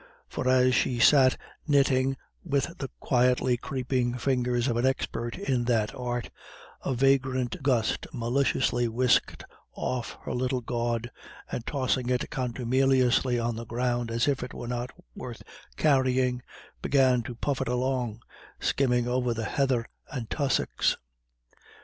For as she sat knitting with the quietly creeping fingers of an expert in that art, a vagrant gust maliciously whisked off her little gawd, and tossing it contumeliously on the ground, as if it were not worth carrying, began to puff it along, skimming over the heather and tussocks.